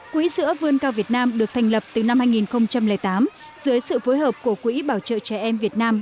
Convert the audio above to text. quỹ sữa vươn cao việt nam được thành lập từ năm hai nghìn tám dưới sự phối hợp của quỹ bảo trợ trẻ em việt nam